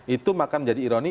itu maka menjadi ironi